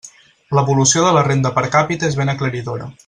L'evolució de la renda per càpita és ben aclaridora.